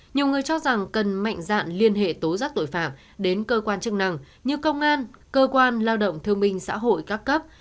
nhiều người cho rằng cần mạnh dạn liên hệ tố giác tội phạm đến cơ quan chức năng như công an cơ quan lao động thương minh xã hội các cấp